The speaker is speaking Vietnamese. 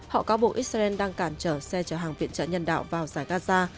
họ cáo buộc israel đang cản trở xe chở hàng viện trợ nhân đạo vào giải gaza